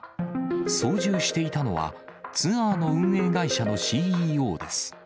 操縦していたのは、ツアーの運営会社のＣＥＯです。